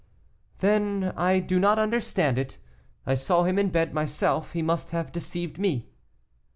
"Then I do not understand it; I saw him in bed myself; he must have deceived me."